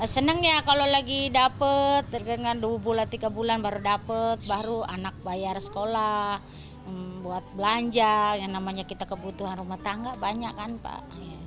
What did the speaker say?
senang ya kalau lagi dapat dengan dua bulan tiga bulan baru dapat baru anak bayar sekolah buat belanja yang namanya kita kebutuhan rumah tangga banyak kan pak